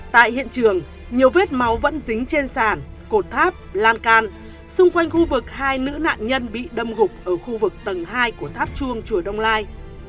tại hiện trường nhiều vết máu vẫn dính trên sàn cột tháp lan can xung quanh khu vực hai nữ nạn nhân bị đâm gục ở khu vực tầng hai của tháp chuông chùa đông lai